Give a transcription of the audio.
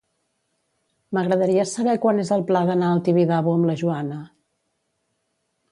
M'agradaria saber quan és el pla d'anar al Tibidabo amb la Joana.